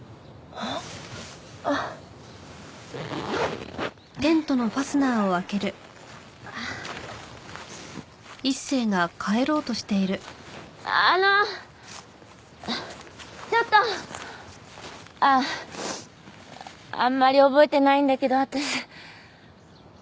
あっあんまり覚えてないんだけど私。